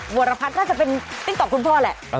วรพัฒน์น่าจะเป็นติ๊กต๊อกคุณพ่อแหละ